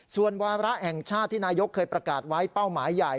ส่วนวาระแห่งชาติที่นายกเคยประกาศไว้เป้าหมายใหญ่